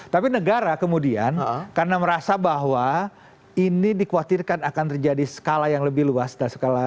tapi negara kemudian karena merasa bahwa ini dikhawatirkan akan terjadi skala yang lebih luas dan skala